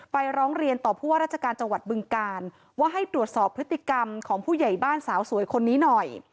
ร้องเรียนต่อผู้ว่าราชการจังหวัดบึงการว่าให้ตรวจสอบพฤติกรรมของผู้ใหญ่บ้านสาวสวยคนนี้หน่อย